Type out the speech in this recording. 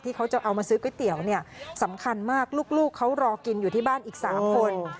เขาจะเอามาซื้อก๋วยเตี๋ยวเนี่ยสำคัญมากลูกเขารอกินอยู่ที่บ้านอีก๓คน